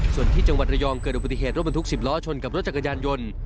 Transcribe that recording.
ส่วนที่จังหวัดระยองเกิดอุบัติเหตุรถบรรทุก๑๐ล้อชนกับรถจักรยานยนต์